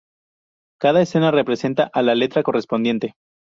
Cada escena representa a la letra correspondiente.